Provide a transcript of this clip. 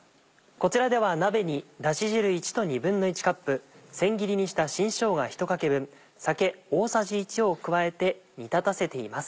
こちらでは鍋にだし汁１と１／２カップせん切りにした新しょうが１かけ分酒大さじ１を加えて煮立たせています。